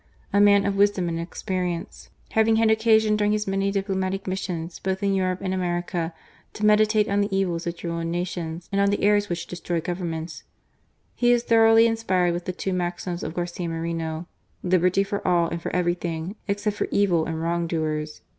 A man of wisdom and experience, having had occasion, during his many diplomatic missions, both in Europe and America, to meditate on the evils which ruin nations and on the errors which destroy Governments, he is thoroughly inspired with the two maxims of Garcia Moreno :" Liberty for all and for everything, except for evil and for wrong THE REPUBLIC OF THE SACRED HEART. 333 doers."